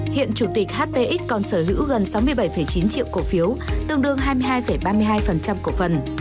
hiện chủ tịch hpx còn sở hữu gần sáu mươi bảy chín triệu cổ phiếu tương đương hai mươi hai ba mươi hai cổ phần